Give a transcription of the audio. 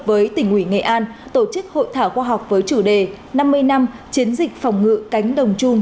với tỉnh ủy nghệ an tổ chức hội thảo khoa học với chủ đề năm mươi năm chiến dịch phòng ngự cánh đồng chung